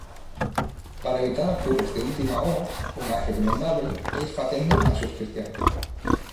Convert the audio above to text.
Para evitar apuros de última hora o máis recomendábel é ir facendo a subscrición!